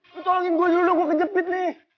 lo tolongin gue dulu dong gue kejepit nih